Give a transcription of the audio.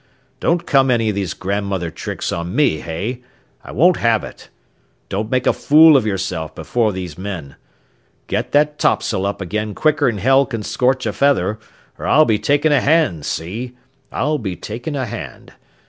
Don't come any of these grandmother tricks on me, hey? I won't have it. Don't make a fool of yourself before these men. Get that topsail up again quicker'n hell can scorch a feather, or I'll be taking a hand, see! I'll be taking a hand.